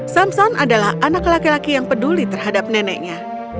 samson adalah anak laki laki yang peduli terhadap neneknya